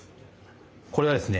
これはですね